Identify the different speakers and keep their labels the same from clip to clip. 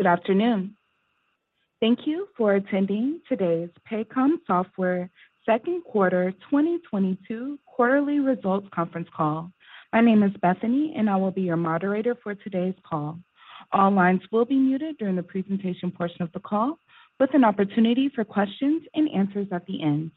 Speaker 1: Good afternoon. Thank you for attending today's Paycom Software second quarter 2022 quarterly results conference call. My name is Bethany, and I will be your moderator for today's call. All lines will be muted during the presentation portion of the call with an opportunity for questions and answers at the end.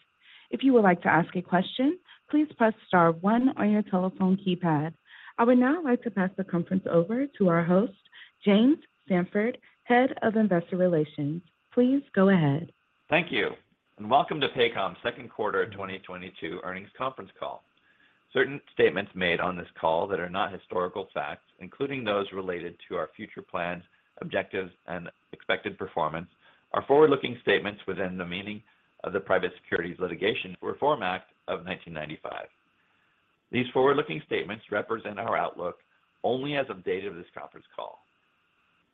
Speaker 1: If you would like to ask a question, please press star one on your telephone keypad. I would now like to pass the conference over to our host, James Samford, Head of Investor Relations. Please go ahead.
Speaker 2: Thank you, and welcome to Paycom's second quarter 2022 earnings conference call. Certain statements made on this call that are not historical facts, including those related to our future plans, objectives, and expected performance, are forward-looking statements within the meaning of the Private Securities Litigation Reform Act of 1995. These forward-looking statements represent our outlook only as of date of this conference call.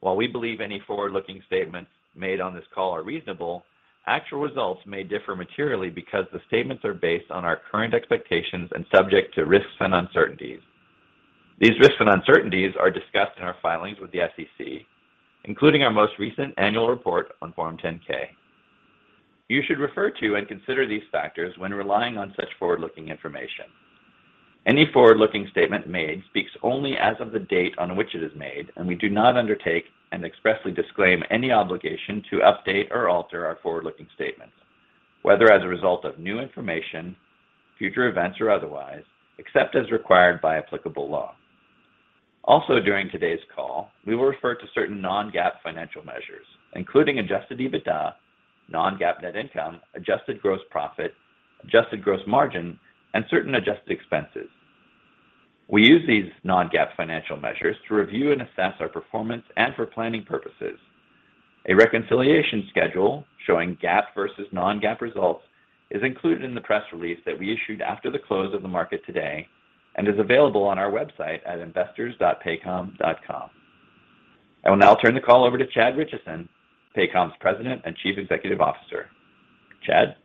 Speaker 2: While we believe any forward-looking statements made on this call are reasonable, actual results may differ materially because the statements are based on our current expectations and subject to risks and uncertainties. These risks and uncertainties are discussed in our filings with the SEC, including our most recent annual report on Form 10-K. You should refer to and consider these factors when relying on such forward-looking information. Any forward-looking statement made speaks only as of the date on which it is made, and we do not undertake and expressly disclaim any obligation to update or alter our forward-looking statements, whether as a result of new information, future events, or otherwise, except as required by applicable law. Also during today's call, we will refer to certain non-GAAP financial measures, including adjusted EBITDA, non-GAAP net income, adjusted gross profit, adjusted gross margin, and certain adjusted expenses. We use these non-GAAP financial measures to review and assess our performance and for planning purposes. A reconciliation schedule showing GAAP versus non-GAAP results is included in the press release that we issued after the close of the market today and is available on our website at investors.paycom.com. I will now turn the call over to Chad Richison, Paycom's President and Chief Executive Officer. Chad?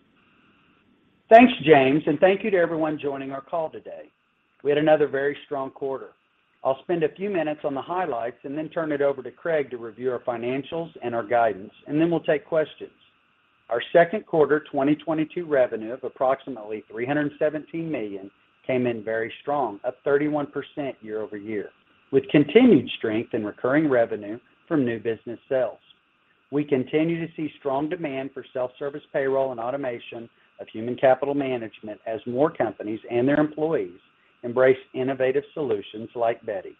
Speaker 3: Thanks, James, and thank you to everyone joining our call today. We had another very strong quarter. I'll spend a few minutes on the highlights and then turn it over to Craig to review our financials and our guidance, and then we'll take questions. Our second quarter 2022 revenue of approximately $317 million came in very strong, up 31% year-over-year, with continued strength in recurring revenue from new business sales. We continue to see strong demand for self-service payroll and automation of human capital management as more companies and their employees embrace innovative solutions like Beti.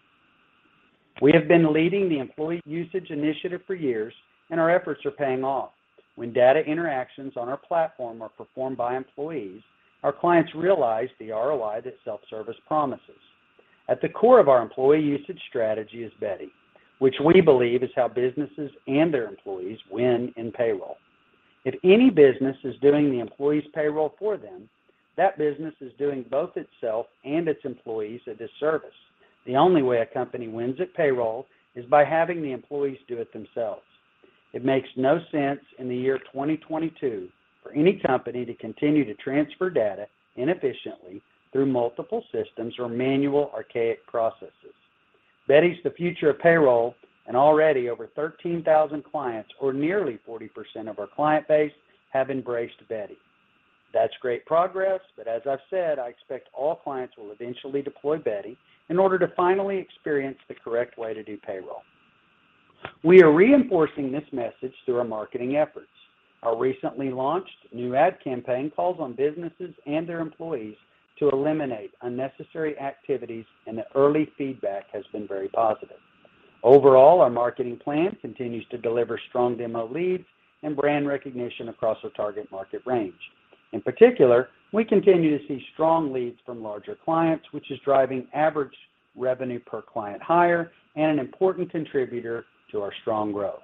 Speaker 3: We have been leading the employee usage initiative for years, and our efforts are paying off. When data interactions on our platform are performed by employees, our clients realize the ROI that self-service promises. At the core of our employee usage strategy is Beti, which we believe is how businesses and their employees win in payroll. If any business is doing the employee's payroll for them, that business is doing both itself and its employees a disservice. The only way a company wins at payroll is by having the employees do it themselves. It makes no sense in the year 2022 for any company to continue to transfer data inefficiently through multiple systems or manual archaic processes. Beti's the future of payroll, and already over 13,000 clients or nearly 40% of our client base have embraced Beti. That's great progress, but as I've said, I expect all clients will eventually deploy Beti in order to finally experience the correct way to do payroll. We are reinforcing this message through our marketing efforts. Our recently launched new ad campaign calls on businesses and their employees to eliminate unnecessary activities, and the early feedback has been very positive. Overall, our marketing plan continues to deliver strong demo leads and brand recognition across our target market range. In particular, we continue to see strong leads from larger clients, which is driving average revenue per client higher and an important contributor to our strong growth.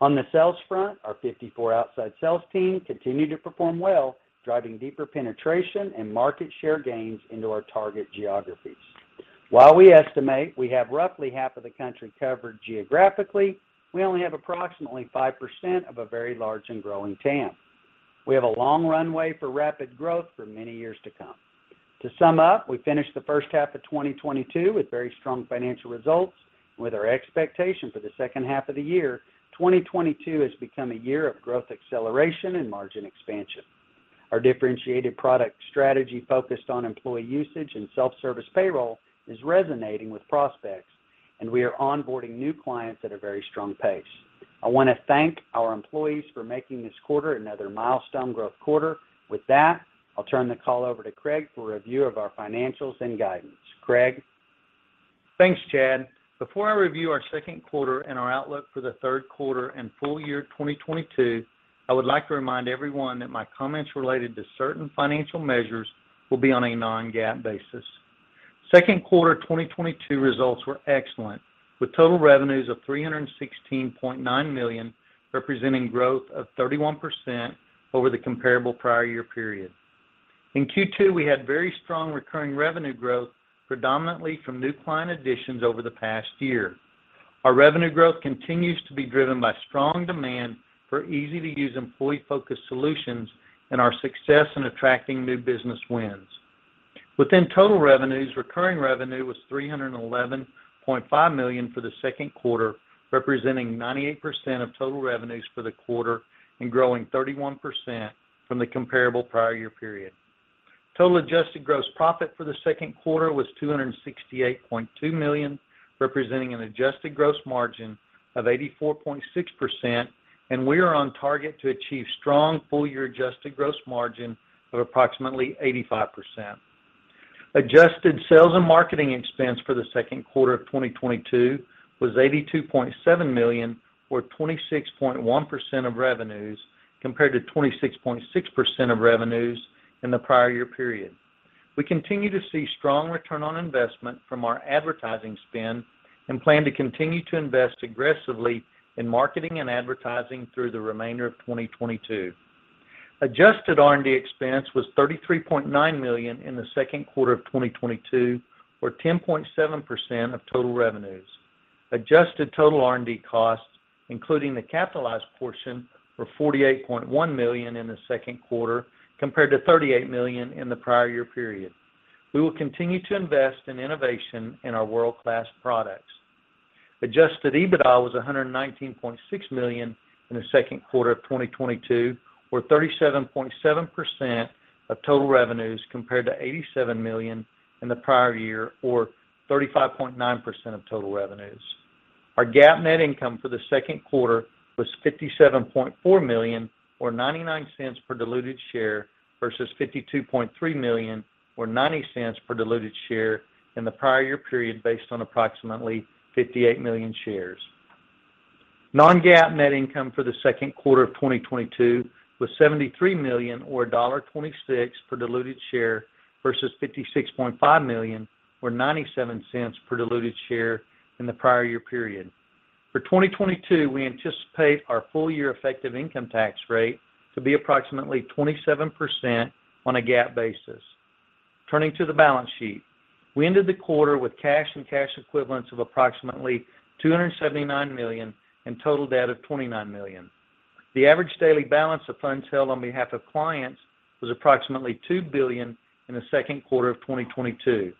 Speaker 3: On the sales front, our 54 outside sales team continue to perform well, driving deeper penetration and market share gains into our target geographies. While we estimate we have roughly half of the country covered geographically, we only have approximately 5% of a very large and growing TAM. We have a long runway for rapid growth for many years to come. To sum up, we finished the first half of 2022 with very strong financial results. With our expectation for the second half of the year, 2022 has become a year of growth acceleration and margin expansion. Our differentiated product strategy focused on employee usage and self-service payroll is resonating with prospects, and we are onboarding new clients at a very strong pace. I wanna thank our employees for making this quarter another milestone growth quarter. With that, I'll turn the call over to Craig for a review of our financials and guidance. Craig?
Speaker 4: Thanks, Chad. Before I review our second quarter and our outlook for the third quarter and full year 2022, I would like to remind everyone that my comments related to certain financial measures will be on a non-GAAP basis. Second quarter 2022 results were excellent, with total revenues of $316.9 million, representing growth of 31% over the comparable prior year period. In Q2, we had very strong recurring revenue growth, predominantly from new client additions over the past year. Our revenue growth continues to be driven by strong demand for easy-to-use, employee-focused solutions and our success in attracting new business wins. Within total revenues, recurring revenue was $311.5 million for the second quarter, representing 98% of total revenues for the quarter and growing 31% from the comparable prior year period. Total adjusted gross profit for the second quarter was $268.2 million, representing an adjusted gross margin of 84.6%, and we are on target to achieve strong full year adjusted gross margin of approximately 85%. Adjusted sales and marketing expense for the second quarter of 2022 was $82.7 million, or 26.1% of revenues, compared to 26.6% of revenues in the prior year period. We continue to see strong return on investment from our advertising spend and plan to continue to invest aggressively in marketing and advertising through the remainder of 2022. Adjusted R&D expense was $33.9 million in the second quarter of 2022, or 10.7% of total revenues. Adjusted total R&D costs, including the capitalized portion, were $48.1 million in the second quarter compared to $38 million in the prior year period. We will continue to invest in innovation in our world-class products. Adjusted EBITDA was $119.6 million in the second quarter of 2022, or 37.7% of total revenues compared to $87 million in the prior year or 35.9% of total revenues. Our GAAP net income for the second quarter was $57.4 million or $0.99 per diluted share versus $52.3 million or $0.90 per diluted share in the prior year period based on approximately 58 million shares. Non-GAAP net income for the second quarter of 2022 was $73 million or $1.26 per diluted share versus $56.5 million or $0.97 per diluted share in the prior year period. For 2022, we anticipate our full year effective income tax rate to be approximately 27% on a GAAP basis. Turning to the balance sheet. We ended the quarter with cash and cash equivalents of approximately $279 million and total debt of $29 million. The average daily balance of funds held on behalf of clients was approximately $2 billion in the second quarter of 2022.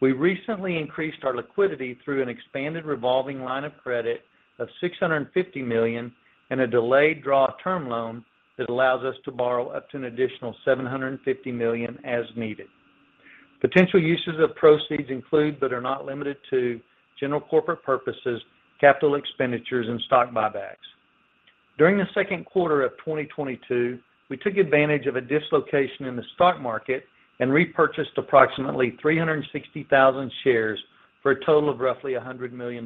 Speaker 4: We recently increased our liquidity through an expanded revolving line of credit of $650 million and a delayed draw term loan that allows us to borrow up to an additional $750 million as needed. Potential uses of proceeds include, but are not limited to, general corporate purposes, capital expenditures, and stock buybacks. During the second quarter of 2022, we took advantage of a dislocation in the stock market and repurchased approximately 360,000 shares for a total of roughly $100 million.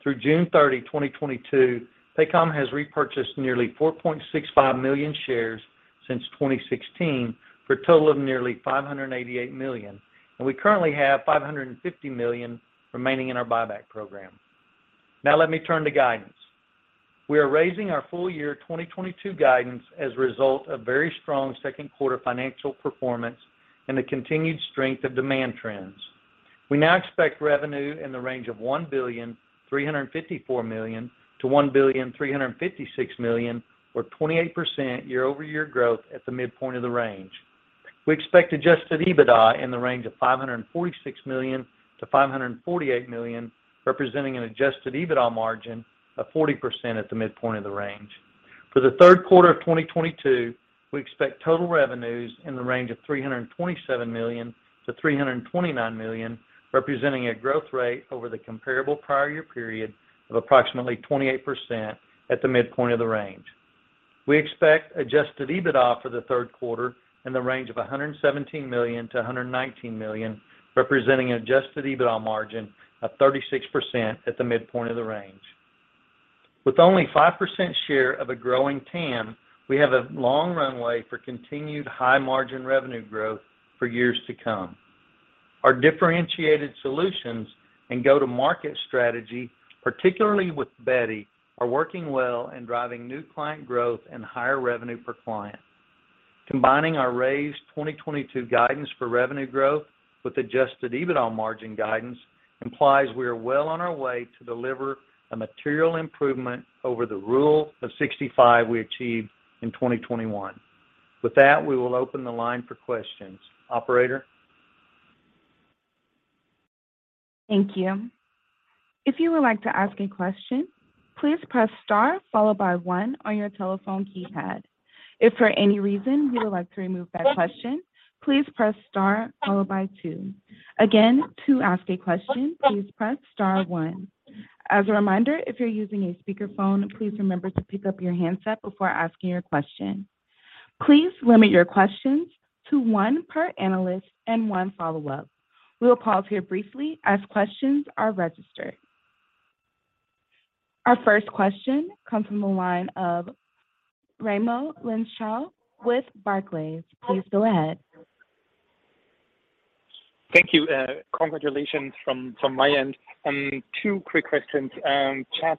Speaker 4: Through June 30, 2022, Paycom has repurchased nearly 4.65 million shares since 2016 for a total of nearly $588 million, and we currently have $550 million remaining in our buyback program. Now let me turn to guidance. We are raising our full year 2022 guidance as a result of very strong second quarter financial performance and the continued strength of demand trends. We now expect revenue in the range of $1.354 billion-$1.356 billion or 28% year-over-year growth at the midpoint of the range. We expect adjusted EBITDA in the range of $546 million-$548 million, representing an adjusted EBITDA margin of 40% at the midpoint of the range. For the third quarter of 2022, we expect total revenues in the range of $327 million-$329 million, representing a growth rate over the comparable prior year period of approximately 28% at the midpoint of the range. We expect adjusted EBITDA for the third quarter in the range of $117 million-$119 million, representing adjusted EBITDA margin of 36% at the midpoint of the range. With only 5% share of a growing TAM, we have a long runway for continued high margin revenue growth for years to come. Our differentiated solutions and go-to-market strategy, particularly with Beti, are working well and driving new client growth and higher revenue per client. Combining our raised 2022 guidance for revenue growth with adjusted EBITDA margin guidance implies we are well on our way to deliver a material improvement over the Rule of 65 we achieved in 2021. With that, we will open the line for questions. Operator?
Speaker 1: Thank you. If you would like to ask a question, please press star followed by one on your telephone keypad. If for any reason you would like to remove that question, please press star followed by two. Again, to ask a question, please press star one. As a reminder, if you're using a speakerphone, please remember to pick up your handset before asking your question. Please limit your questions to one per analyst and one follow-up. We will pause here briefly as questions are registered. Our first question comes from the line of Raimo Lenschow with Barclays. Please go ahead.
Speaker 5: Thank you. Congratulations from my end. Two quick questions. Chad,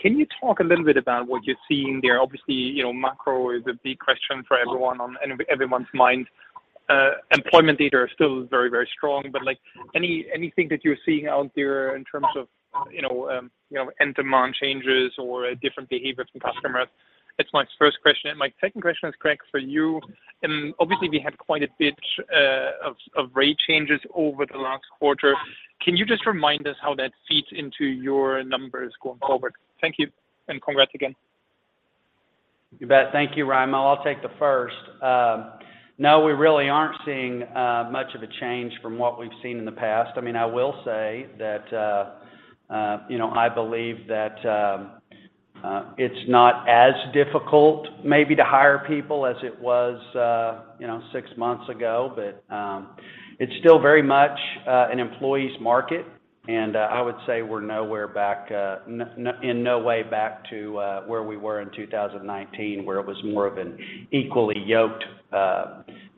Speaker 5: can you talk a little bit about what you're seeing there? Obviously, you know, macro is a big question for everyone on everyone's mind. Employment data are still very strong, but, like, anything that you're seeing out there in terms of, you know, end demand changes or different behavior from customers? That's my first question. My second question is, Craig, for you. Obviously we had quite a bit of rate changes over the last quarter. Can you just remind us how that feeds into your numbers going forward? Thank you, and congrats again.
Speaker 3: You bet. Thank you, Raimo. I'll take the first. No, we really aren't seeing much of a change from what we've seen in the past. I mean, I will say that, you know, I believe that it's not as difficult maybe to hire people as it was, you know, six months ago. It's still very much an employee's market. I would say we're nowhere back in no way back to where we were in 2019, where it was more of an equally yoked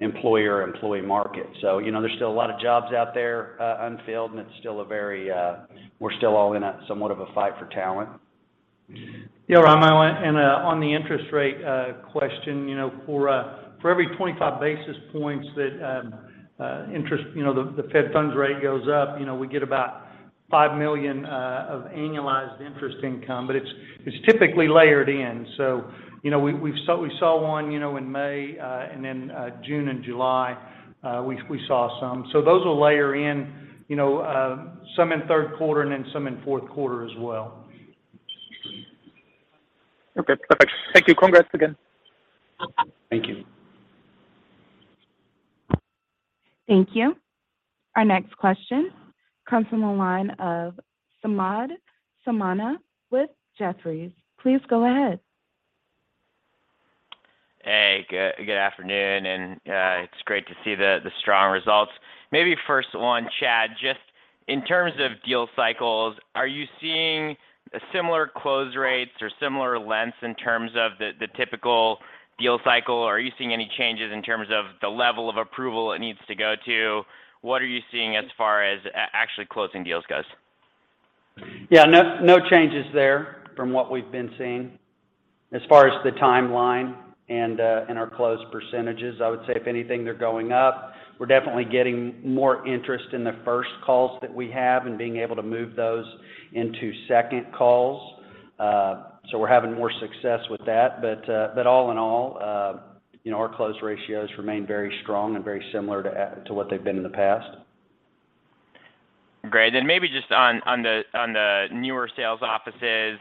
Speaker 3: employer-employee market. You know, there's still a lot of jobs out there unfilled, and we're still all in somewhat of a fight for talent.
Speaker 4: Yeah, Raimo, on the interest rate question, you know, for every 25 basis points that interest, you know, the Federal funds rate goes up, you know, we get about $5 million of annualized interest income. It's typically layered in. You know, we saw one in May, and then June and July, we saw some. Those will layer in, you know, some in third quarter and then some in fourth quarter as well.
Speaker 5: Okay. Perfect. Thank you. Congrats again.
Speaker 3: Thank you.
Speaker 1: Thank you. Our next question comes from the line of Samad Samana with Jefferies. Please go ahead.
Speaker 6: Hey, good afternoon, and it's great to see the strong results. Maybe first one, Chad, just in terms of deal cycles, are you seeing similar close rates or similar lengths in terms of the typical deal cycle? Or are you seeing any changes in terms of the level of approval it needs to go to? What are you seeing as far as actually closing deals goes?
Speaker 3: Yeah. No, no changes there from what we've been seeing. As far as the timeline and our close percentages, I would say if anything, they're going up. We're definitely getting more interest in the first calls that we have and being able to move those into second calls. We're having more success with that. All in all, you know, our close ratios remain very strong and very similar to what they've been in the past.
Speaker 6: Great. Maybe just on the newer sales offices.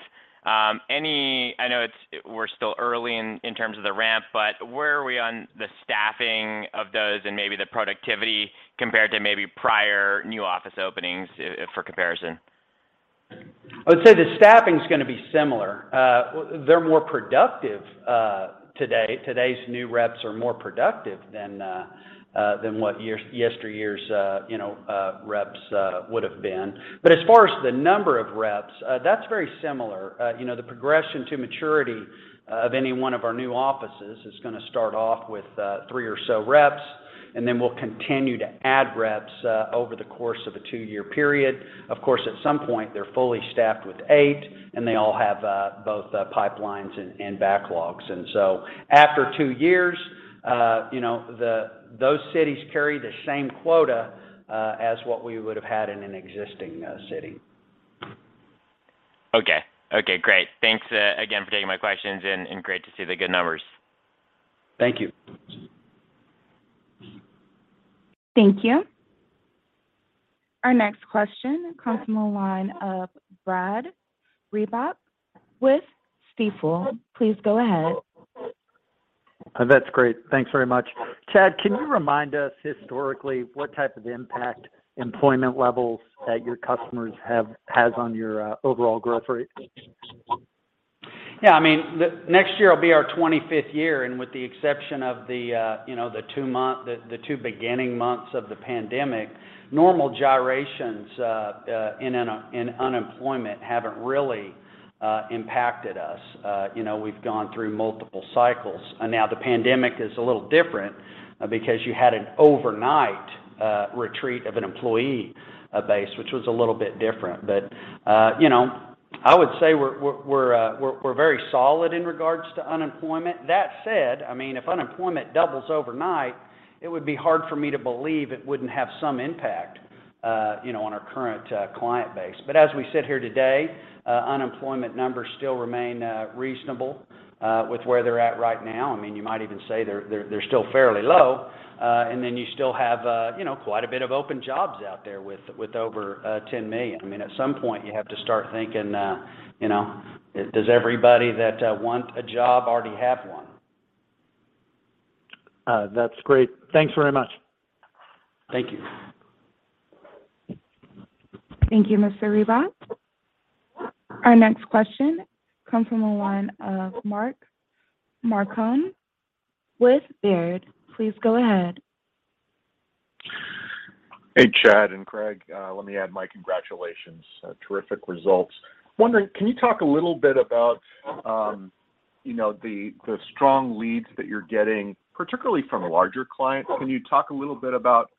Speaker 6: I know we're still early in terms of the ramp, but where are we on the staffing of those and maybe the productivity compared to maybe prior new office openings, for comparison?
Speaker 3: I would say the staffing is gonna be similar. They're more productive today. Today's new reps are more productive than yesteryear's, you know, reps would have been. As far as the number of reps, that's very similar. You know, the progression to maturity of any one of our new offices is gonna start off with three or so reps, and then we'll continue to add reps over the course of a two-year period. Of course, at some point, they're fully staffed with eight, and they all have both pipelines and backlogs. After two years, you know, those cities carry the same quota as what we would have had in an existing city.
Speaker 6: Okay, great. Thanks again for taking my questions and great to see the good numbers.
Speaker 3: Thank you.
Speaker 1: Thank you. Our next question comes from the line of Brad Reback with Stifel. Please go ahead.
Speaker 7: That's great. Thanks very much. Chad, can you remind us historically what type of impact employment levels that your customers has on your, overall growth rate?
Speaker 3: Yeah. I mean, the next year will be our 25th year, and with the exception of the, you know, the two beginning months of the pandemic, normal gyrations in unemployment haven't really impacted us. You know, we've gone through multiple cycles. Now the pandemic is a little different because you had an overnight retreat of an employee base, which was a little bit different. You know, I would say we're very solid in regards to unemployment. That said, I mean, if unemployment doubles overnight, it would be hard for me to believe it wouldn't have some impact, you know, on our current client base. As we sit here today, unemployment numbers still remain reasonable with where they're at right now. I mean, you might even say they're still fairly low. You still have, you know, quite a bit of open jobs out there with over 10 million. I mean, at some point you have to start thinking, you know, does everybody that want a job already have one?
Speaker 7: That's great. Thanks very much.
Speaker 3: Thank you.
Speaker 1: Thank you, Mr. Reback. Our next question comes from the line of Mark Marcon with Baird. Please go ahead.
Speaker 8: Hey, Chad and Craig. Let me add my congratulations. Terrific results. Wondering, can you talk a little bit about, you know, the strong leads that you're getting, particularly from larger clients? Can you talk a little bit about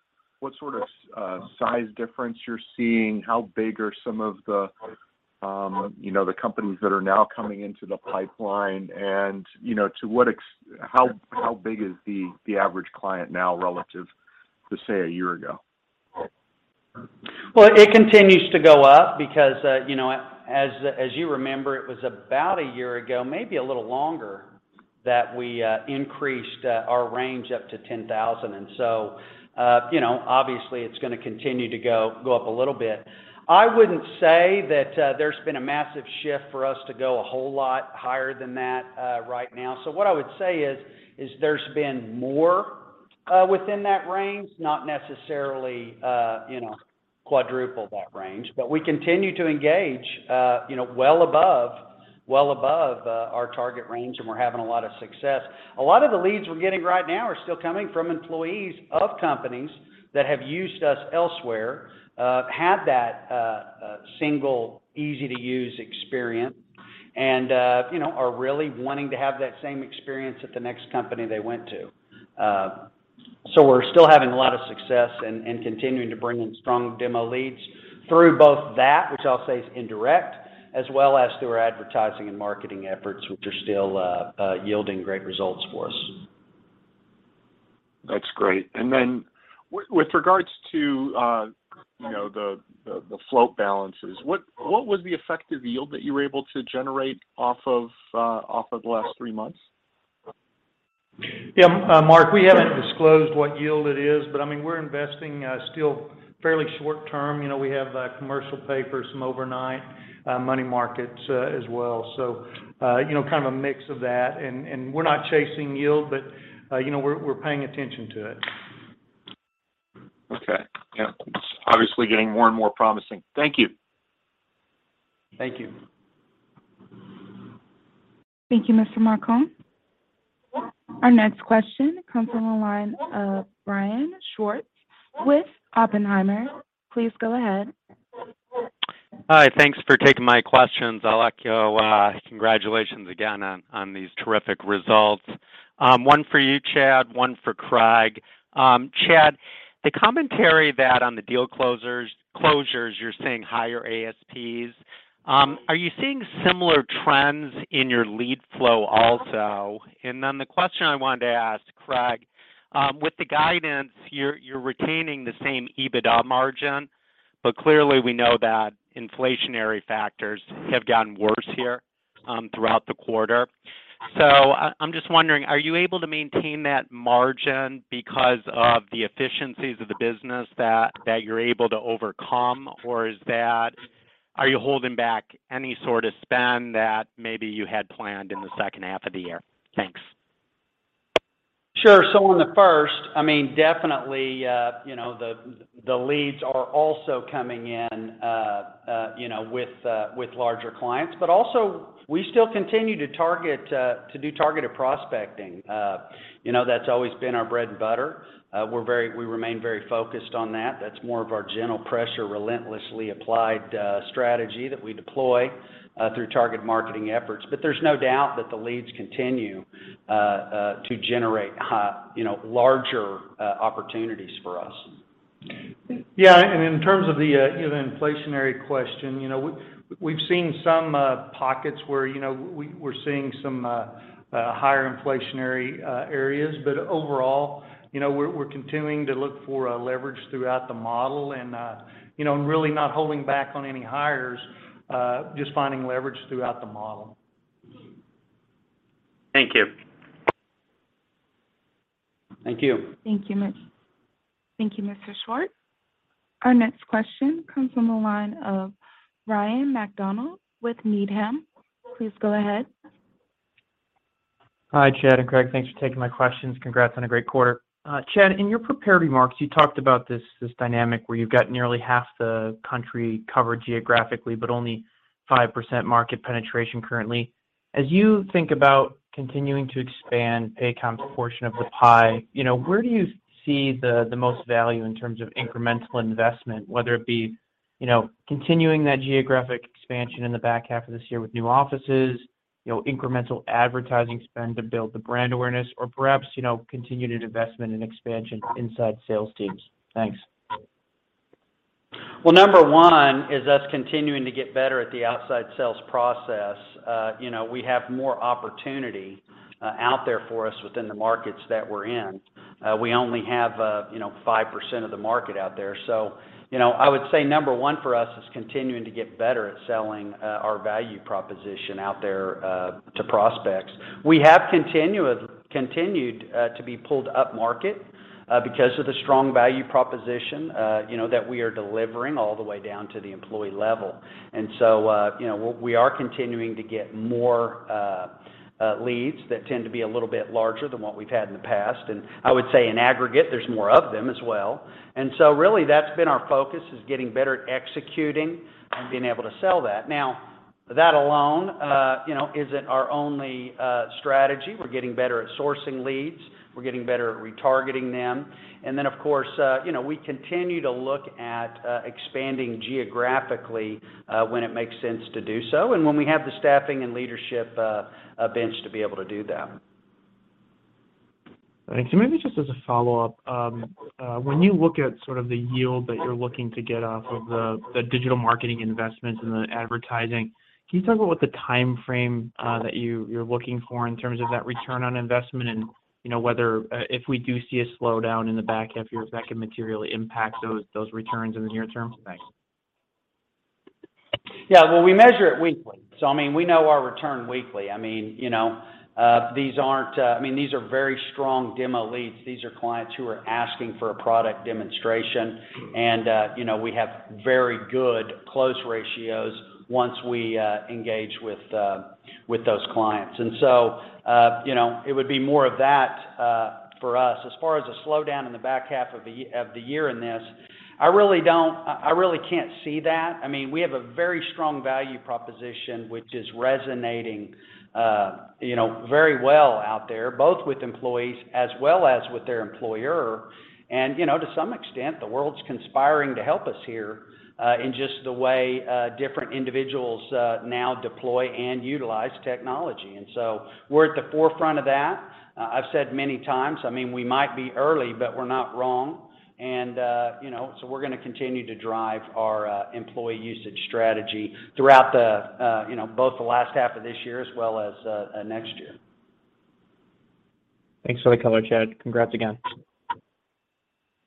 Speaker 8: what sort of size difference you're seeing? How big are some of the, you know, the companies that are now coming into the pipeline? And, you know, how big is the average client now relative to, say, a year ago?
Speaker 3: Well, it continues to go up because, you know, as you remember, it was about a year ago, maybe a little longer, that we increased our range up to 10,000. You know, obviously it's gonna continue to go up a little bit. I wouldn't say that there's been a massive shift for us to go a whole lot higher than that right now. What I would say is there's been more within that range, not necessarily, you know, quadruple that range. We continue to engage, you know, well above our target range, and we're having a lot of success. A lot of the leads we're getting right now are still coming from employees of companies that have used us elsewhere, have that, single easy-to-use experience and, you know, are really wanting to have that same experience at the next company they went to. We're still having a lot of success and continuing to bring in strong demo leads through both that, which I'll say is indirect, as well as through our advertising and marketing efforts, which are still yielding great results for us.
Speaker 8: That's great. With regards to, you know, the float balances, what was the effective yield that you were able to generate off of the last three months?
Speaker 3: Yeah. Mark, we haven't disclosed what yield it is, but I mean, we're investing still fairly short-term. You know, we have commercial papers, some overnight money markets, as well. You know, kind of a mix of that. We're not chasing yield, but you know, we're paying attention to it.
Speaker 8: Okay. Yeah. Obviously getting more and more promising. Thank you.
Speaker 3: Thank you.
Speaker 1: Thank you, Mr. Marcon. Our next question comes from the line of Brian Schwartz with Oppenheimer. Please go ahead.
Speaker 9: Hi. Thanks for taking my questions. I'd like to, congratulations again on these terrific results. One for you, Chad, one for Craig. Chad, the commentary that on the deal closures, you're seeing higher ASPs. Are you seeing similar trends in your lead flow also? Then the question I wanted to ask Craig, with the guidance, you're retaining the same EBITDA margin, but clearly we know that inflationary factors have gotten worse here throughout the quarter. I'm just wondering, are you able to maintain that margin because of the efficiencies of the business that you're able to overcome? Or are you holding back any sort of spend that maybe you had planned in the second half of the year? Thanks.
Speaker 3: Sure. On the first, I mean, definitely, you know, the leads are also coming in, you know, with larger clients. Also we still continue to target to do targeted prospecting. You know, that's always been our bread and butter. We remain very focused on that. That's more of our general pressure, relentlessly applied, strategy that we deploy through target marketing efforts. There's no doubt that the leads continue to generate, you know, larger opportunities for us. Yeah. In terms of the inflationary question, you know, we've seen some pockets where, you know, we're seeing some higher inflationary areas. Overall, you know, we're continuing to look for leverage throughout the model and, you know, and really not holding back on any hires, just finding leverage throughout the model.
Speaker 9: Thank you.
Speaker 3: Thank you.
Speaker 1: Thank you, Mr. Schwartz. Our next question comes from the line of Ryan MacDonald with Needham. Please go ahead.
Speaker 10: Hi, Chad and Craig. Thanks for taking my questions. Congrats on a great quarter. Chad, in your prepared remarks, you talked about this dynamic where you've got nearly half the country covered geographically, but only 5% market penetration currently. As you think about continuing to expand Paycom's portion of the pie, you know, where do you see the most value in terms of incremental investment, whether it be, you know, continuing that geographic expansion in the back half of this year with new offices, you know, incremental advertising spend to build the brand awareness, or perhaps, you know, continued investment and expansion inside sales teams? Thanks.
Speaker 3: Well, number one is us continuing to get better at the outside sales process. You know, we have more opportunity out there for us within the markets that we're in. We only have, you know, 5% of the market out there. You know, I would say number one for us is continuing to get better at selling our value proposition out there to prospects. We have continued to be pulled up market because of the strong value proposition, you know, that we are delivering all the way down to the employee level. You know, we are continuing to get more leads that tend to be a little bit larger than what we've had in the past. I would say in aggregate, there's more of them as well. Really that's been our focus, is getting better at executing and being able to sell that. Now, that alone, you know, isn't our only strategy. We're getting better at sourcing leads. We're getting better at retargeting them. Of course, you know, we continue to look at expanding geographically, when it makes sense to do so and when we have the staffing and leadership bench to be able to do that.
Speaker 10: Thank you. Maybe just as a follow-up, when you look at sort of the yield that you're looking to get off of the digital marketing investments and the advertising, can you talk about what the timeframe that you're looking for in terms of that return on investment and, you know, whether if we do see a slowdown in the back half year, if that could materially impact those returns in the near term? Thanks.
Speaker 3: Yeah. Well, we measure it weekly, so I mean, we know our return weekly. I mean, you know, these aren't—I mean, these are very strong demo leads. These are clients who are asking for a product demonstration and, you know, we have very good close ratios once we engage with those clients. You know, it would be more of that for us. As far as a slowdown in the back half of the year in this, I really can't see that. I mean, we have a very strong value proposition, which is resonating, you know, very well out there, both with employees as well as with their employer. You know, to some extent, the world's conspiring to help us here, in just the way different individuals now deploy and utilize technology. We're at the forefront of that. I've said many times, I mean, we might be early, but we're not wrong. You know, so we're gonna continue to drive our employee usage strategy throughout the, you know, both the last half of this year as well as next year.
Speaker 11: Thanks for the color, Chad. Congrats again.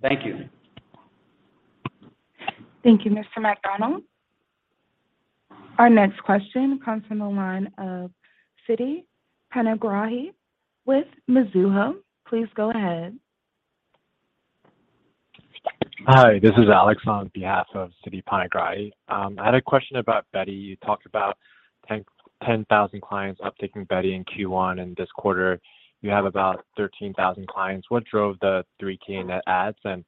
Speaker 3: Thank you.
Speaker 1: Thank you, Mr. MacDonald. Our next question comes from the line of Siti Panigrahi with Mizuho. Please go ahead.
Speaker 12: Hi, this is Alex on behalf of Siti Panigrahi. I had a question about Beti. You talked about 10,000 clients uptaking Beti in Q1. In this quarter, you have about 13,000 clients. What drove the 3,000 net adds, and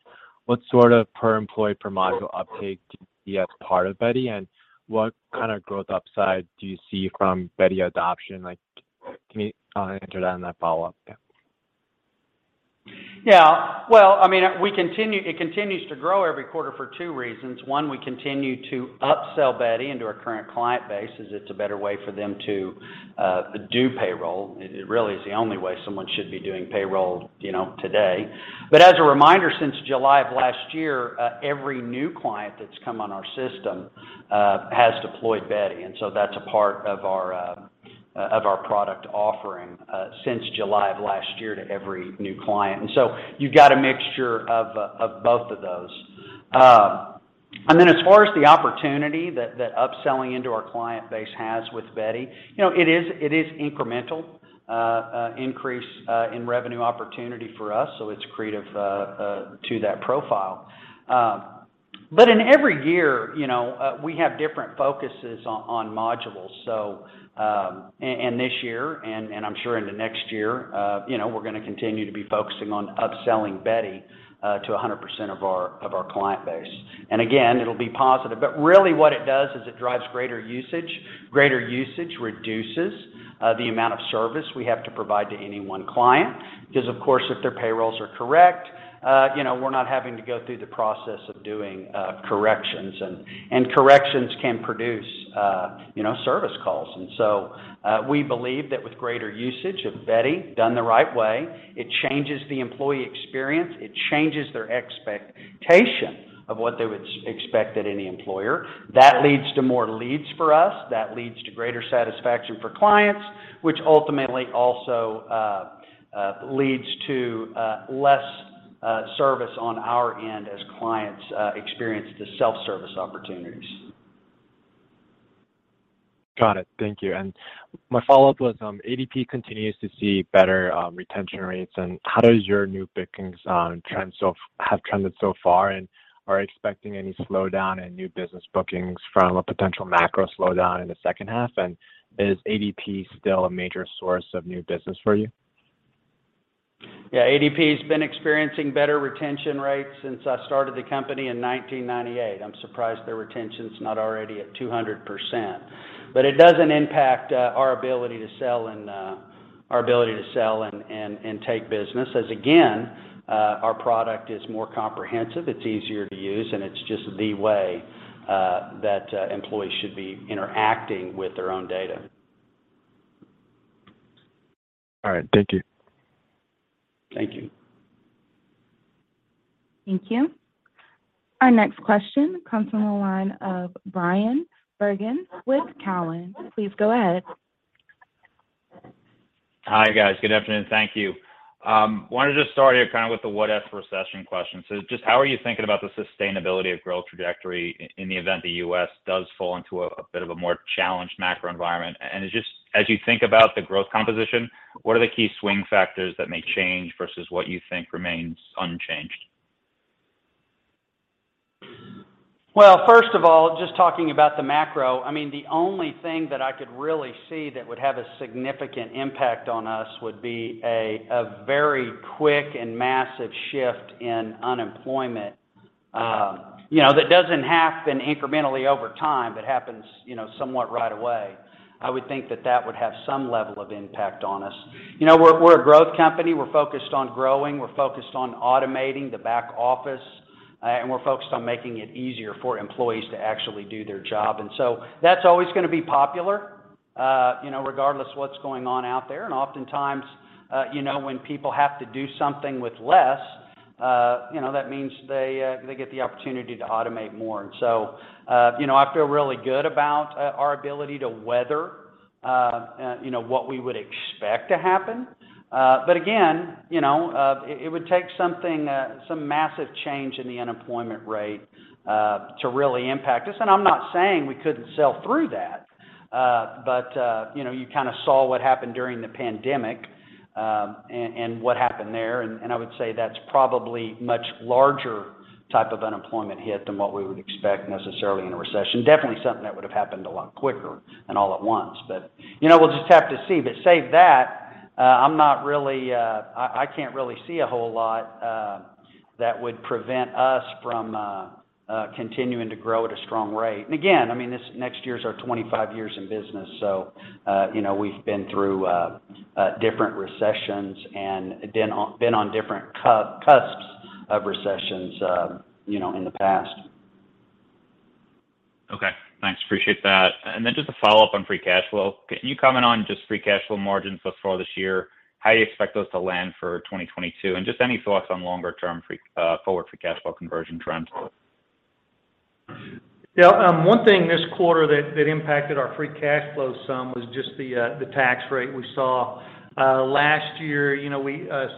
Speaker 12: what sort of per employee per module uptake do you see as part of Beti, and what kind of growth upside do you see from Beti adoption? Like, can you enter that in that follow-up? Yeah.
Speaker 3: Yeah. Well, I mean, it continues to grow every quarter for two reasons. One, we continue to upsell Beti into our current client base, as it's a better way for them to do payroll. It really is the only way someone should be doing payroll, you know, today. As a reminder, since July of last year, every new client that's come on our system has deployed Beti. That's a part of our product offering since July of last year to every new client. You've got a mixture of both of those. Then as far as the opportunity that upselling into our client base has with Beti, you know, it is incremental increase in revenue opportunity for us, so it's accretive to that profile. In every year, you know, we have different focuses on modules. This year, and I'm sure in the next year, you know, we're gonna continue to be focusing on upselling Beti to 100% of our client base. Again, it'll be positive. Really what it does is it drives greater usage. Greater usage reduces the amount of service we have to provide to any one client. 'Cause of course, if their payrolls are correct, you know, we're not having to go through the process of doing corrections. Corrections can produce, you know, service calls. We believe that with greater usage of Beti done the right way, it changes the employee experience, it changes their expectation of what they would expect at any employer. That leads to more leads for us. That leads to greater satisfaction for clients, which ultimately also leads to less service on our end as clients experience the self-service opportunities.
Speaker 12: Got it. Thank you. My follow-up was, ADP continues to see better retention rates. How does your new bookings have trended so far, and are expecting any slowdown in new business bookings from a potential macro slowdown in the second half? Is ADP still a major source of new business for you?
Speaker 3: Yeah. ADP has been experiencing better retention rates since I started the company in 1998. I'm surprised their retention's not already at 200%. It doesn't impact our ability to sell and take business, as again, our product is more comprehensive, it's easier to use, and it's just the way that employees should be interacting with their own data.
Speaker 12: All right. Thank you.
Speaker 3: Thank you.
Speaker 1: Thank you. Our next question comes from the line of Bryan Bergin with Cowen. Please go ahead.
Speaker 13: Hi, guys. Good afternoon. Thank you. Wanted to start here kind of with the what if recession question. Just how are you thinking about the sustainability of growth trajectory in the event the U.S. does fall into a bit of a more challenged macro environment? Just as you think about the growth composition, what are the key swing factors that may change versus what you think remains unchanged?
Speaker 3: Well, first of all, just talking about the macro, I mean, the only thing that I could really see that would have a significant impact on us would be a very quick and massive shift in unemployment, you know, that doesn't happen incrementally over time, but happens, you know, somewhat right away. I would think that would have some level of impact on us. You know, we're a growth company. We're focused on growing. We're focused on automating the back office, and we're focused on making it easier for employees to actually do their job. That's always gonna be popular, you know, regardless of what's going on out there. Oftentimes, you know, when people have to do something with less, you know, that means they get the opportunity to automate more. You know, I feel really good about our ability to weather, you know, what we would expect to happen. Again, you know, it would take something, some massive change in the unemployment rate, to really impact us. I'm not saying we couldn't sell through that, but you know, you kind of saw what happened during the pandemic, and what happened there, and I would say that's probably much larger type of unemployment hit than what we would expect necessarily in a recession. Definitely something that would have happened a lot quicker and all at once. You know, we'll just have to see. Save that, I'm not really. I can't really see a whole lot that would prevent us from continuing to grow at a strong rate. Again, I mean, this next year is our 25 years in business. You know, we've been through different recessions and been on different cusps of recessions, you know, in the past.
Speaker 13: Okay. Thanks. Appreciate that. Then just a follow-up on free cash flow. Can you comment on just free cash flow margins thus far this year? How do you expect those to land for 2022? Just any thoughts on longer term forward free cash flow conversion trends?
Speaker 3: Yeah. One thing this quarter that impacted our free cash flow some was just the tax rate we saw. Last year, you know,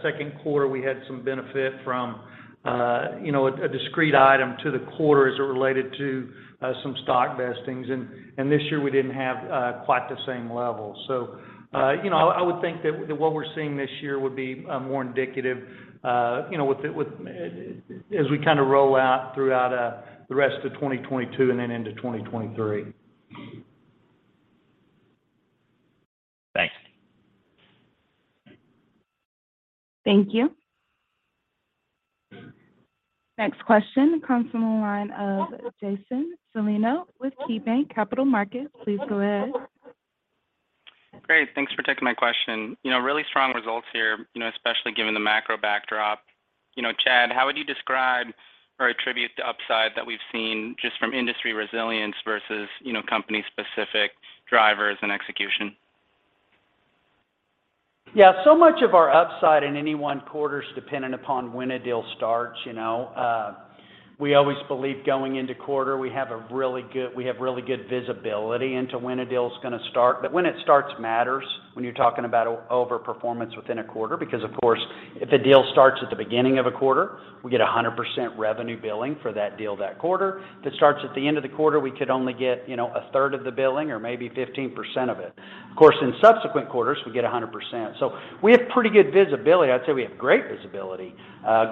Speaker 3: second quarter, we had some benefit from, you know, a discrete item to the quarter as it related to some stock vestings. This year we didn't have quite the same level. You know, I would think that what we're seeing this year would be more indicative, you know, as we kind of roll out throughout the rest of 2022 and then into 2023.
Speaker 13: Thanks.
Speaker 1: Thank you. Next question comes from the line of Jason Celino with KeyBanc Capital Markets. Please go ahead.
Speaker 14: Great. Thanks for taking my question. You know, really strong results here, you know, especially given the macro backdrop. You know, Chad, how would you describe or attribute the upside that we've seen just from industry resilience versus, you know, company specific drivers and execution?
Speaker 3: Yeah. Much of our upside in any one quarter is dependent upon when a deal starts, you know. We always believe going into quarter, we have really good visibility into when a deal is gonna start. But when it starts matters when you're talking about over performance within a quarter. Because of course, if a deal starts at the beginning of a quarter, we get 100% revenue billing for that deal that quarter. If it starts at the end of the quarter, we could only get, you know, a third of the billing or maybe 15% of it. Of course, in subsequent quarters, we get 100%. We have pretty good visibility. I'd say we have great visibility,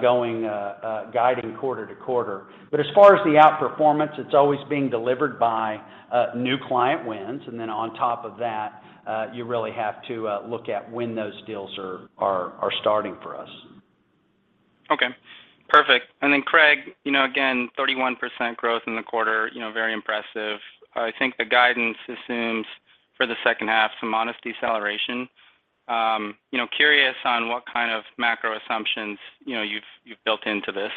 Speaker 3: going, guiding quarter to quarter. As far as the outperformance, it's always being delivered by new client wins. Then on top of that, you really have to look at when those deals are starting for us.
Speaker 14: Okay. Perfect. Craig, you know, again, 31% growth in the quarter, you know, very impressive. I think the guidance assumes for the second half some modest deceleration. You know, curious on what kind of macro assumptions, you know, you've built into this.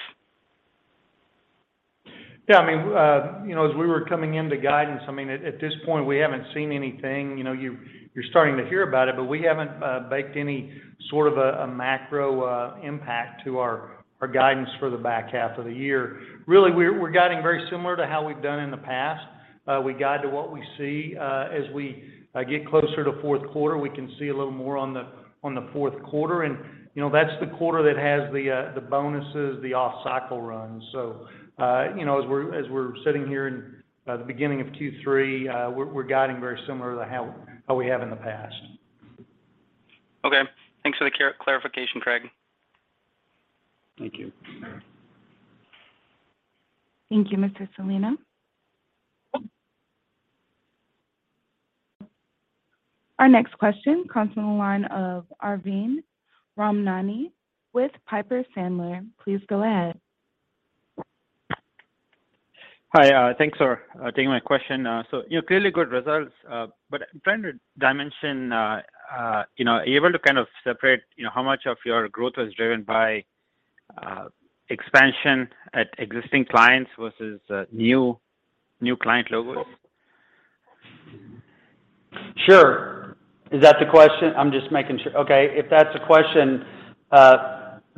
Speaker 4: Yeah. I mean, you know, as we were coming into guidance, I mean, at this point, we haven't seen anything. You know, you're starting to hear about it, but we haven't baked any sort of a macro impact to our guidance for the back half of the year. Really, we're guiding very similar to how we've done in the past. We guide to what we see. As we get closer to fourth quarter, we can see a little more on the fourth quarter. You know, that's the quarter that has the bonuses, the off cycle runs. You know, as we're sitting here in the beginning of Q3, we're guiding very similar to how we have in the past.
Speaker 14: Okay. Thanks for the clarification, Craig.
Speaker 4: Thank you.
Speaker 1: Thank you, Mr. Celino. Our next question comes from the line of Arvind Ramnani with Piper Sandler. Please go ahead.
Speaker 15: Hi, thanks for taking my question. You know, clearly good results, but I'm trying to dimension, you know, are you able to kind of separate, you know, how much of your growth was driven by expansion at existing clients versus new client logos?
Speaker 3: Sure. Is that the question? I'm just making sure. Okay. If that's the question,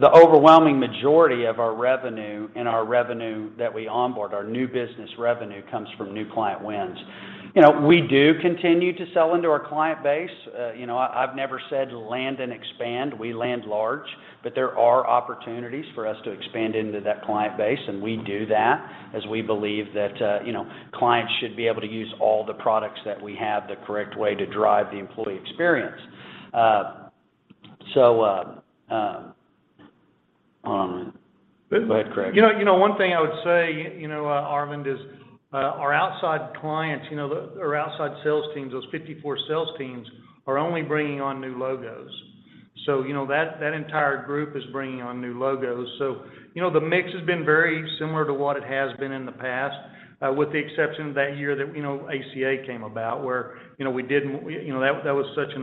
Speaker 3: the overwhelming majority of our revenue and our revenue that we onboard, our new business revenue comes from new client wins. You know, we do continue to sell into our client base. You know, I've never said land and expand. We land large, but there are opportunities for us to expand into that client base, and we do that as we believe that, you know, clients should be able to use all the products that we have the correct way to drive the employee experience.
Speaker 13: Go ahead, Craig.
Speaker 4: You know, one thing I would say, you know, Arvind, is our outside sales teams, those 54 sales teams, are only bringing on new logos. You know, that entire group is bringing on new logos. You know, the mix has been very similar to what it has been in the past, with the exception of that year that, you know, ACA came about where, you know, that was such an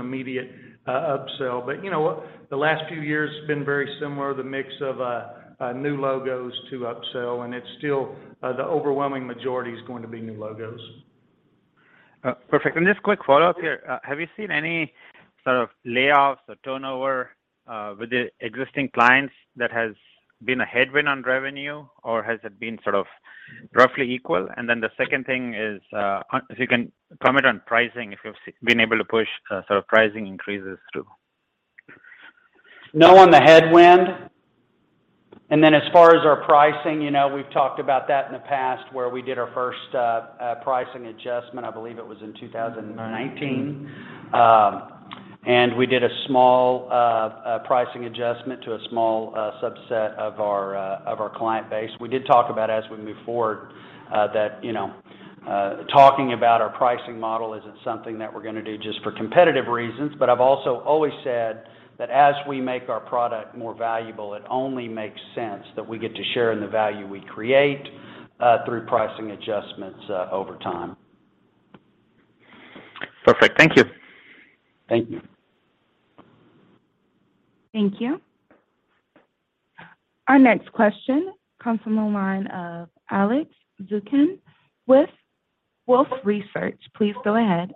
Speaker 4: immediate upsell. You know, the last few years have been very similar, the mix of new logos to upsell, and it's still the overwhelming majority is going to be new logos.
Speaker 15: Perfect. Just quick follow-up here. Have you seen any sort of layoffs or turnover with the existing clients that has been a headwind on revenue, or has it been sort of roughly equal. The second thing is, if you can comment on pricing, if you've been able to push sort of pricing increases through.
Speaker 3: No on the headwind. Then as far as our pricing, you know, we've talked about that in the past, where we did our first pricing adjustment, I believe it was in 2019. We did a small pricing adjustment to a small subset of our client base. We did talk about as we move forward, that, you know, talking about our pricing model isn't something that we're gonna do just for competitive reasons. I've also always said that as we make our product more valuable, it only makes sense that we get to share in the value we create through pricing adjustments over time.
Speaker 15: Perfect. Thank you.
Speaker 3: Thank you.
Speaker 1: Thank you. Our next question comes from the line of Alex Zukin with Wolfe Research. Please go ahead.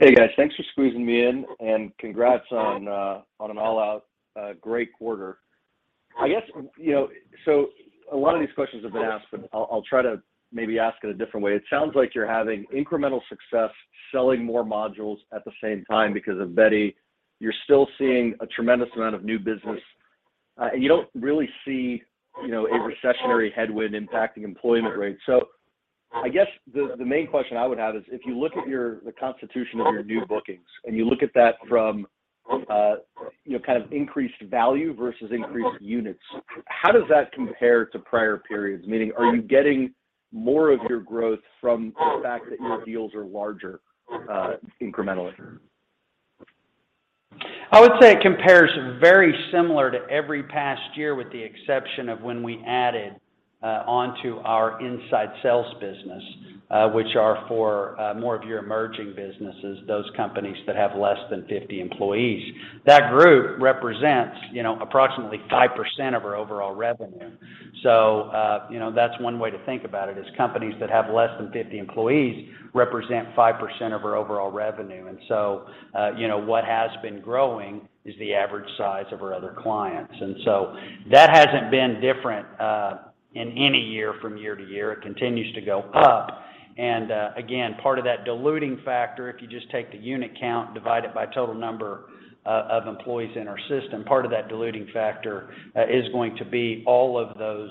Speaker 16: Hey, guys. Thanks for squeezing me in, and congrats on an all out great quarter. I guess, you know, a lot of these questions have been asked, but I'll try to maybe ask it a different way. It sounds like you're having incremental success selling more modules at the same time because of Beti. You're still seeing a tremendous amount of new business. And you don't really see, you know, a recessionary headwind impacting employment rates. I guess the main question I would have is, if you look at your the constitution of your new bookings, and you look at that from, you know, kind of increased value versus increased units, how does that compare to prior periods. Meaning, are you getting more of your growth from the fact that your deals are larger, incrementally.
Speaker 3: I would say it compares very similar to every past year with the exception of when we added onto our inside sales business, which are for more of your emerging businesses, those companies that have less than 50 employees. That group represents, you know, approximately 5% of our overall revenue. That's one way to think about it, is companies that have less than 50 employees represent 5% of our overall revenue. What has been growing is the average size of our other clients. That hasn't been different in any year from year to year. It continues to go up. Again, part of that diluting factor, if you just take the unit count, divide it by total number of employees in our system, part of that diluting factor is going to be all of those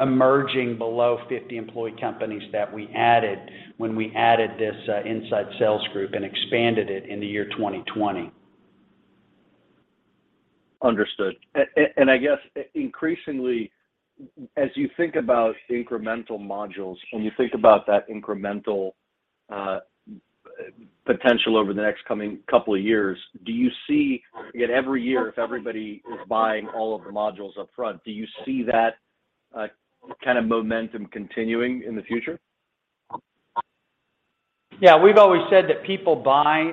Speaker 3: emerging below 50 employee companies that we added when we added this inside sales group and expanded it in the year 2020.
Speaker 16: Understood. I guess increasingly, as you think about incremental modules and you think about that incremental potential over the next coming couple of years, do you see, again, every year, if everybody is buying all of the modules up front, do you see that kind of momentum continuing in the future?
Speaker 3: Yeah. We've always said that people buy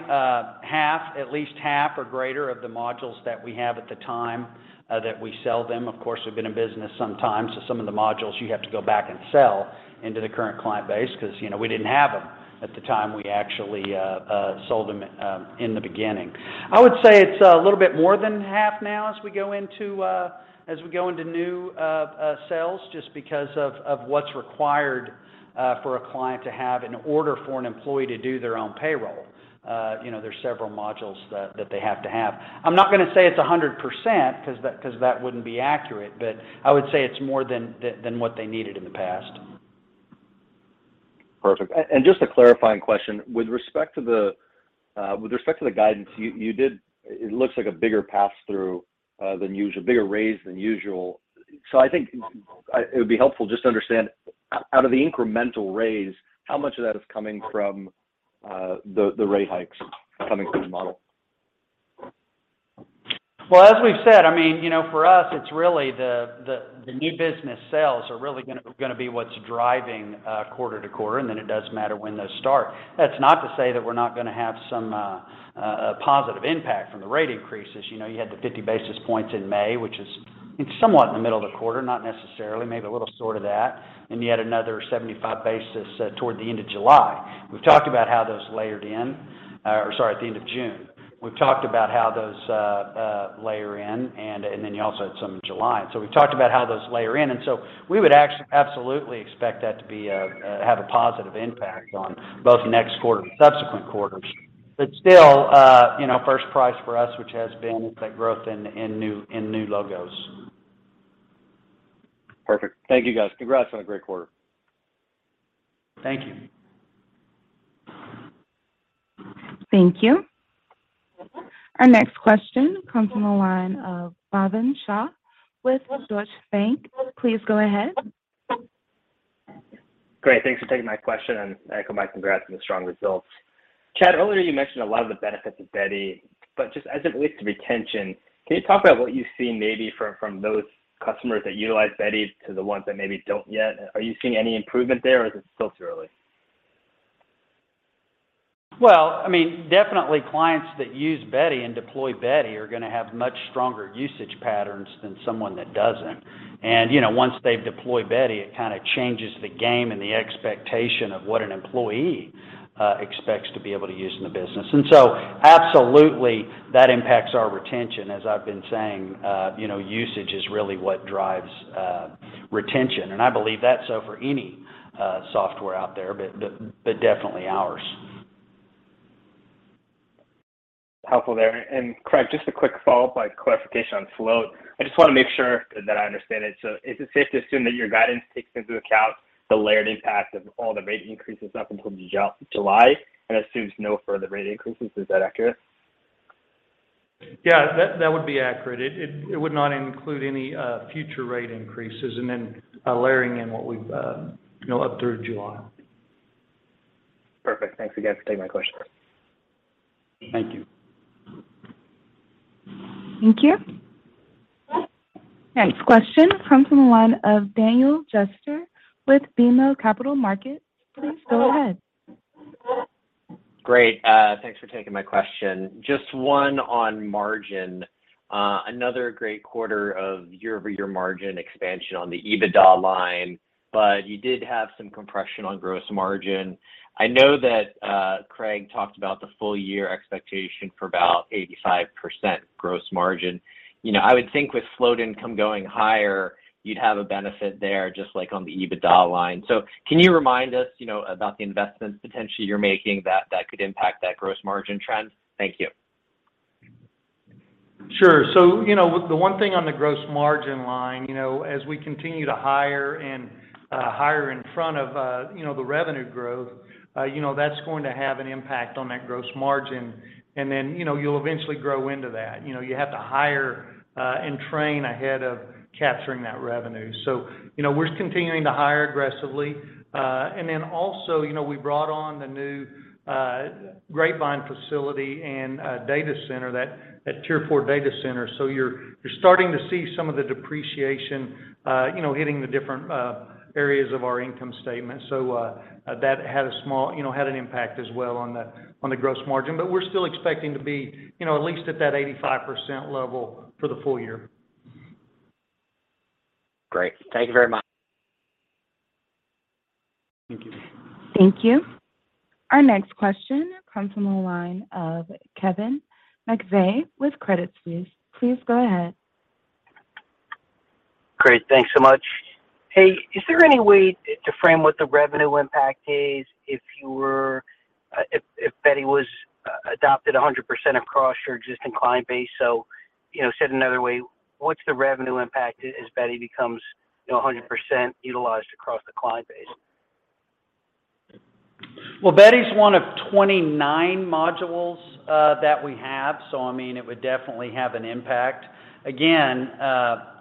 Speaker 3: half, at least half or greater of the modules that we have at the time that we sell them. Of course, we've been in business some time, so some of the modules you have to go back and sell into the current client base because, you know, we didn't have them at the time we actually sold them in the beginning. I would say it's a little bit more than half now as we go into new sales, just because of what's required for a client to have in order for an employee to do their own payroll. You know, there's several modules that they have to have. I'm not gonna say it's 100% because that wouldn't be accurate, but I would say it's more than what they needed in the past.
Speaker 16: Perfect. Just a clarifying question. With respect to the guidance you did, it looks like a bigger passthrough than usual, bigger raise than usual. I think it would be helpful just to understand out of the incremental raise, how much of that is coming from the rate hikes coming through the model?
Speaker 3: As we've said, I mean, you know, for us, it's really the new business sales are really gonna be what's driving quarter to quarter, and then it does matter when those start. That's not to say that we're not gonna have some positive impact from the rate increases. You know, you had the 50 basis points in May, which is somewhat in the middle of the quarter, not necessarily, maybe a little short of that, and you had another 75 basis points toward the end of July. We've talked about how those layered in, or sorry, at the end of June. We've talked about how those layer in and then you also had some in July. We've talked about how those layer in. We would absolutely expect that to have a positive impact on both next quarter and subsequent quarters. Still, you know, first priority for us, which has been that growth in new logos.
Speaker 16: Perfect. Thank you, guys. Congrats on a great quarter.
Speaker 3: Thank you.
Speaker 1: Thank you. Our next question comes from the line of Bhavin Shah with Deutsche Bank. Please go ahead.
Speaker 17: Great. Thanks for taking my question, and echo my congrats on the strong results. Chad, earlier you mentioned a lot of the benefits of Beti, but just as it relates to retention, can you talk about what you've seen maybe from those customers that utilize Beti to the ones that maybe don't yet? Are you seeing any improvement there, or is it still too early?
Speaker 3: Well, I mean, definitely clients that use Beti and deploy Beti are gonna have much stronger usage patterns than someone that doesn't. You know, once they've deployed Beti, it kinda changes the game and the expectation of what an employee expects to be able to use in the business. Absolutely, that impacts our retention. As I've been saying, you know, usage is really what drives retention. I believe that's so for any software out there, but definitely ours.
Speaker 17: Helpful there. Craig, just a quick follow-up, like clarification on float. I just wanna make sure that I understand it. Is it safe to assume that your guidance takes into account the layered impact of all the rate increases up until July, and assumes no further rate increases? Is that accurate?
Speaker 4: Yeah, that would be accurate. It would not include any future rate increases and then layering in what we've you know up through July.
Speaker 17: Perfect. Thanks again for taking my question.
Speaker 3: Thank you.
Speaker 1: Thank you. Next question comes from the line of Daniel Jester with BMO Capital Markets. Please go ahead.
Speaker 18: Great. Thanks for taking my question. Just one on margin. Another great quarter of year-over-year margin expansion on the EBITDA line, but you did have some compression on gross margin. I know that, Craig talked about the full year expectation for about 85% gross margin. You know, I would think with float income going higher, you'd have a benefit there just like on the EBITDA line. Can you remind us, you know, about the investments potentially you're making that could impact that gross margin trend? Thank you.
Speaker 3: Sure. You know, the one thing on the gross margin line, you know, as we continue to hire and hire in front of, you know, the revenue growth, you know, that's going to have an impact on that gross margin. You know, you'll eventually grow into that. You know, you have to hire and train ahead of capturing that revenue. You know, we're continuing to hire aggressively. You know, we brought on the new Grapevine facility and data center that Tier IV data center. You're starting to see some of the depreciation, you know, hitting the different areas of our income statement. That had a small impact as well on the gross margin. We're still expecting to be, you know, at least at that 85% level for the full year.
Speaker 18: Great. Thank you very much.
Speaker 3: Thank you.
Speaker 1: Thank you. Our next question comes from the line of Kevin McVeigh with Credit Suisse. Please go ahead.
Speaker 19: Great. Thanks so much. Hey, is there any way to frame what the revenue impact is if Beti was adopted 100% across your existing client base? So, you know, said another way, what's the revenue impact as Beti becomes, you know, 100% utilized across the client base?
Speaker 3: Well, Beti's one of 29 modules that we have. I mean, it would definitely have an impact. Again,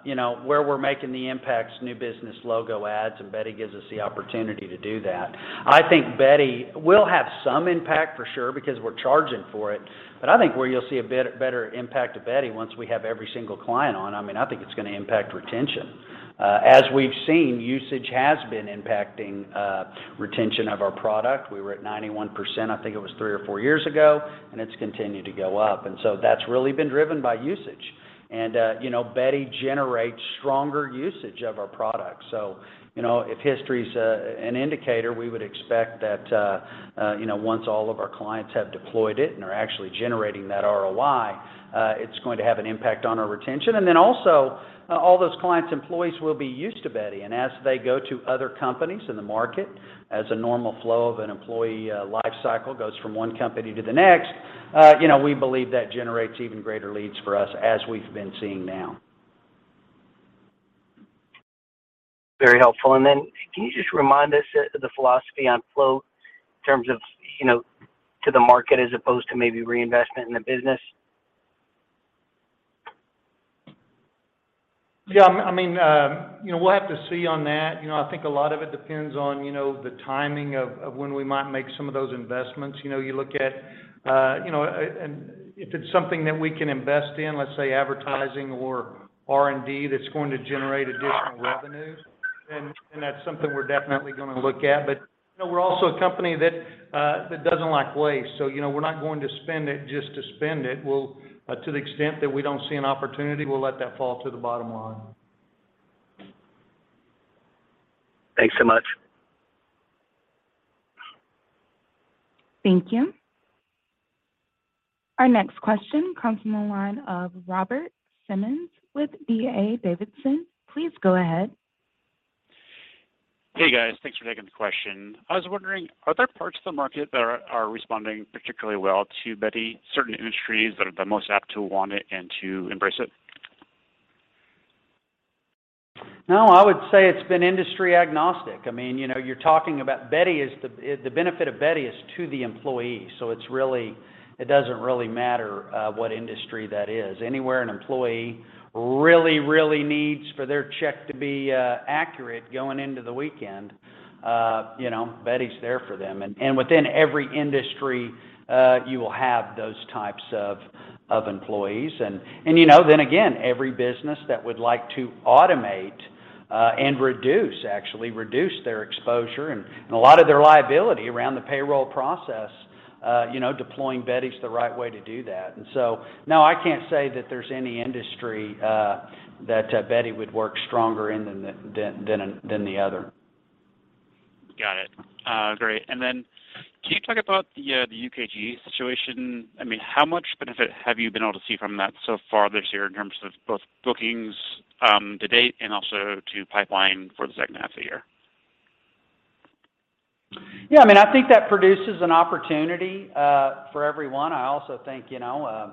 Speaker 3: you know, where we're making the impacts, new business logo adds, and Beti gives us the opportunity to do that. I think Beti will have some impact for sure, because we're charging for it. I think where you'll see a bit better impact of Beti once we have every single client on. I mean, I think it's gonna impact retention. As we've seen, usage has been impacting retention of our product. We were at 91%, I think it was three or four years ago, and it's continued to go up. That's really been driven by usage. You know, Beti generates stronger usage of our product. You know, if history's an indicator, we would expect that, you know, once all of our clients have deployed it and are actually generating that ROI, it's going to have an impact on our retention. All those clients' employees will be used to Beti, and as they go to other companies in the market as a normal flow of an employee life cycle goes from one company to the next, you know, we believe that generates even greater leads for us as we've been seeing now.
Speaker 19: Very helpful. Can you just remind us the philosophy on float in terms of, you know, to the market as opposed to maybe reinvestment in the business?
Speaker 3: I mean, you know, we'll have to see on that. You know, I think a lot of it depends on the timing of when we might make some of those investments. You know, you look at, and if it's something that we can invest in, let's say advertising or R&D that's going to generate additional revenues, then that's something we're definitely gonna look at. You know, we're also a company that doesn't like waste. You know, we're not going to spend it just to spend it. We'll, to the extent that we don't see an opportunity, we'll let that fall to the bottom line.
Speaker 19: Thanks so much.
Speaker 1: Thank you. Our next question comes from the line of Robert Simmons with D.A. Davidson. Please go ahead.
Speaker 20: Hey, guys. Thanks for taking the question. I was wondering, are there parts of the market that are responding particularly well to Beti, certain industries that are the most apt to want it and to embrace it?
Speaker 3: No, I would say it's been industry agnostic. I mean, you know, you're talking about the benefit of Beti is to the employee. So it doesn't really matter what industry that is. Anywhere an employee really needs for their check to be accurate going into the weekend, you know, Beti's there for them. And within every industry you will have those types of employees. And you know, then again, every business that would like to automate and reduce, actually reduce their exposure and a lot of their liability around the payroll process, you know, deploying Beti's the right way to do that. No, I can't say that there's any industry that Beti would work stronger in than the other.
Speaker 20: Got it. Great. Can you talk about the UKG situation? I mean, how much benefit have you been able to see from that so far this year in terms of both bookings, to date and also to pipeline for the second half of the year?
Speaker 3: Yeah. I mean, I think that produces an opportunity for everyone. I also think, you know,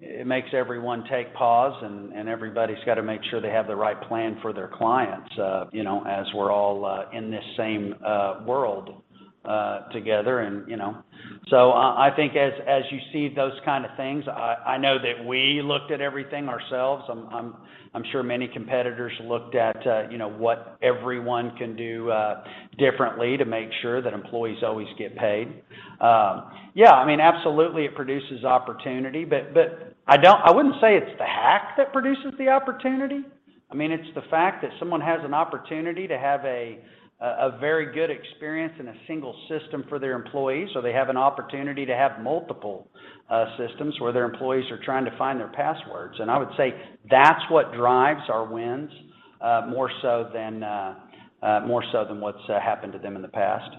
Speaker 3: it makes everyone take pause and everybody's got to make sure they have the right plan for their clients, you know, as we're all in this same world together and, you know. I think as you see those kind of things, I know that we looked at everything ourselves. I'm sure many competitors looked at, you know, what everyone can do differently to make sure that employees always get paid. Yeah, I mean, absolutely it produces opportunity, but I wouldn't say it's the hack that produces the opportunity. I mean, it's the fact that someone has an opportunity to have a very good experience in a single system for their employees, or they have an opportunity to have multiple systems where their employees are trying to find their passwords. I would say that's what drives our wins more so than what's happened to them in the past.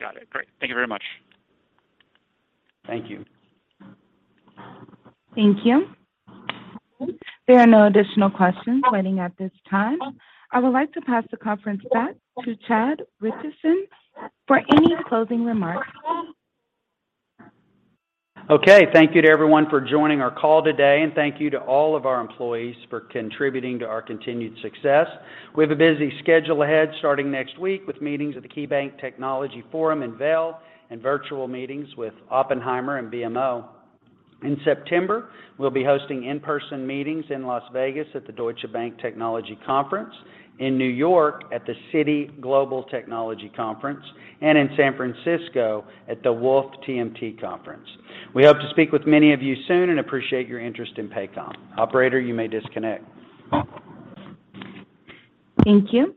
Speaker 20: Got it. Great. Thank you very much.
Speaker 3: Thank you.
Speaker 1: Thank you. There are no additional questions waiting at this time. I would like to pass the conference back to Chad Richison for any closing remarks.
Speaker 3: Okay. Thank you to everyone for joining our call today, and thank you to all of our employees for contributing to our continued success. We have a busy schedule ahead starting next week with meetings at the KeyBanc Technology Forum in Vail and virtual meetings with Oppenheimer and BMO. In September, we'll be hosting in-person meetings in Las Vegas at the Deutsche Bank Technology Conference, in New York at the Citi Global Technology Conference, and in San Francisco at the Wolfe TMT Conference. We hope to speak with many of you soon and appreciate your interest in Paycom. Operator, you may disconnect.
Speaker 1: Thank you.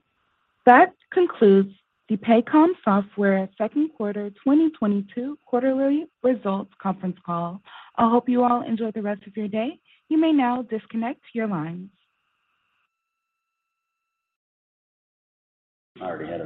Speaker 1: That concludes the Paycom Software second quarter 2022 quarterly results conference call. I hope you all enjoy the rest of your day. You may now disconnect your lines.
Speaker 3: All right ahead.